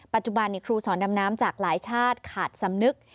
ปัจจุบันครูสอนดำน้ำจากหลายชาติขาดสำนึก